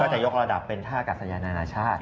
ก็จะยกระดับเป็นถ้าอากาศยานานาชาติ